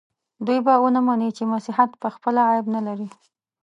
دوی به ونه مني چې مسیحیت پخپله عیب نه لري.